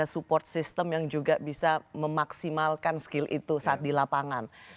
support system yang juga bisa memaksimalkan skill itu saat di lapangan